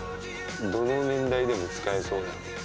どの年代でも使えそうだよね。